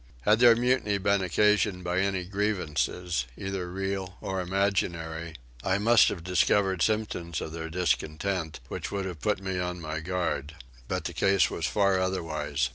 Had their mutiny been occasioned by any grievances, either real or imaginary, I must have discovered symptoms of their discontent, which would have put me on my guard: but the case was far otherwise.